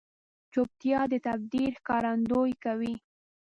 چوپتیا، د تدبیر ښکارندویي کوي.